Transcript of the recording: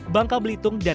bangka belitung dan ajaran